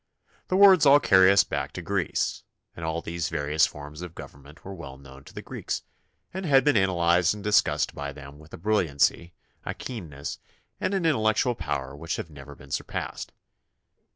The words all carry us back to Greece, and all these various forms of govern ment were well known to the Greeks and had been analyzed and discussed by them with a brilliancy, a keenness, and an intellectual power which have never been surpassed.